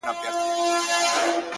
له سجدې پورته سي تاته په قيام سي ربه